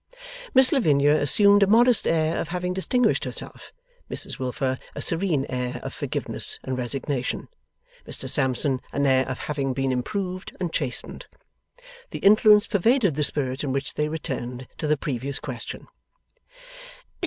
Miss Lavinia assumed a modest air of having distinguished herself; Mrs Wilfer, a serene air of forgiveness and resignation; Mr Sampson, an air of having been improved and chastened. The influence pervaded the spirit in which they returned to the previous question.